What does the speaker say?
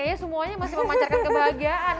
kayaknya semuanya masih memancarkan kebahagiaan